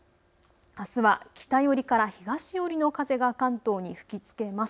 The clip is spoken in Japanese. あすは北寄りから東寄りの風が関東に吹きつけます。